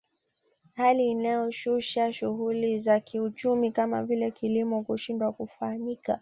Hali inayoshusha shughuli za kiuchumi kama vile kilimo kushindwa kufanyika